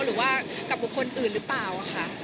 หรือว่ากับบุคคลอื่นหรือเปล่าค่ะ